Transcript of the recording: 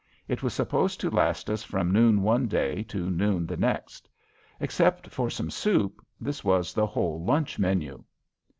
It was supposed to last us from noon one day to noon the next. Except for some soup, this was the whole lunch menu.